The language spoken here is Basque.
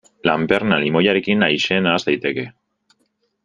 Lanperna limoiarekin aise nahas daiteke.